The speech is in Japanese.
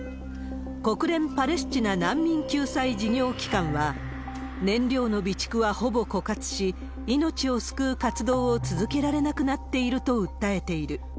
国連パレスチナ難民救済事業機関は、燃料の備蓄はほぼ枯渇し、命を救う活動を続けられなくなっていると訴えている。